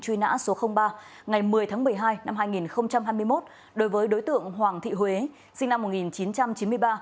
truy nã số ba ngày một mươi tháng một mươi hai năm hai nghìn hai mươi một đối với đối tượng hoàng thị huế sinh năm một nghìn chín trăm chín mươi ba